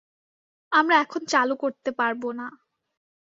আমরা এখন চালু করতে পারবো না।